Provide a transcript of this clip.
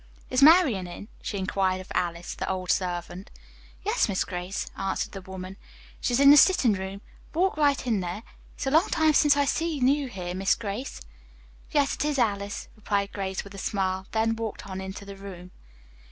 "Is Marian in?" she inquired of Alice, the old servant. "Yes, Miss Grace," answered the woman, "She's in the sittin' room, walk right in there. It's a long time since I seen you here, Miss Grace." "Yes, it is, Alice," replied Grace with a smile, then walked on into the room.